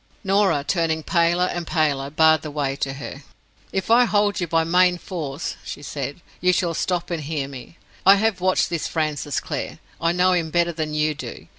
Norah, turning paler and paler, barred the way to her. "If I hold you by main force," she said, "you shall stop and hear me. I have watched this Francis Clare; I know him better than you do.